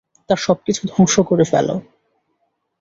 আর সবকিছু ধ্বংস করে ফেলো!